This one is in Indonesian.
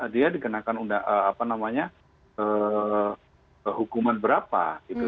dia dikenakan hukuman berapa